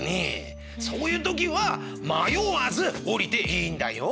そういう時はまよわずおりていいんだよ。